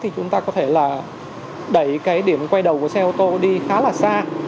chúng ta có thể đẩy điểm quay đầu của xe ô tô đi khá là xa